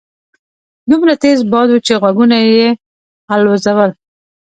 دومره تېز باد وو چې غوږونه يې الوځول.